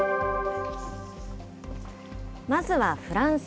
まずはフランス。